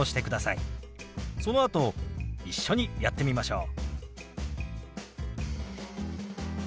そのあと一緒にやってみましょう。